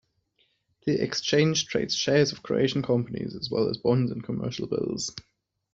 The exchange trades shares of Croatian companies, as well as bonds and commercial bills.